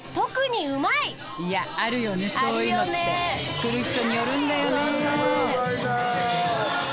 作る人によるんだよね。